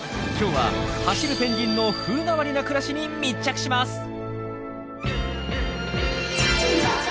今日は走るペンギンの風変わりな暮らしに密着します。